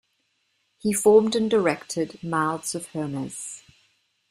He formed and directed Mouth of Hermes.